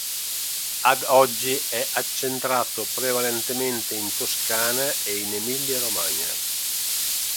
Ad oggi, è accentrato prevalentemente in Toscana e in Emilia-Romagna.